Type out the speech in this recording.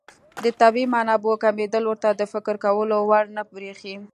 د طبیعي منابعو کمېدل ورته د فکر کولو وړ نه بريښي.